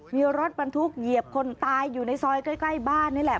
มีรถบรรทุกเหยียบคนตายอยู่ในซอยใกล้บ้านนี่แหละ